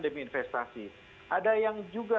demi investasi ada yang juga